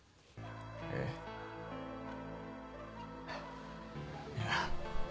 えっ？いや。